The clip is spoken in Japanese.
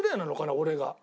俺が。